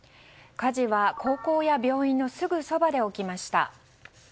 火事は高校や病院のすぐそばで起きました。